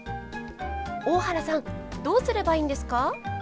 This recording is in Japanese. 大原さんどうすればいいんですか？